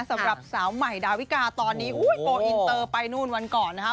สำหรับสาวใหม่ดาวิกาตอนนี้โกลอินเตอร์ไปนู่นวันก่อนนะคะ